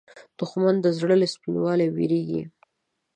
دښمن د زړه له سپینوالي وېرېږي